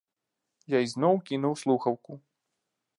Я ізноў кінуў слухаўку.